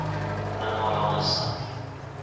من آرام هستم.